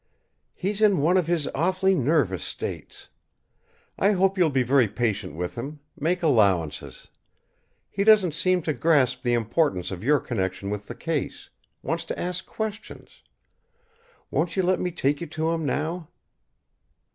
"He's in one of his awfully nervous states. I hope you'll be very patient with him make allowances. He doesn't seem to grasp the importance of your connection with the case; wants to ask questions. Won't you let me take you to him, now?"